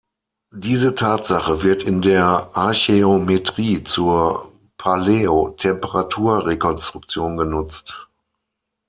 Diese Tatsache wird in der Archäometrie zur Paläotemperatur-Rekonstruktion genutzt.